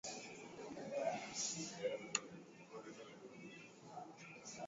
wasomi wengi wana maoni ya utakaso wa kikabila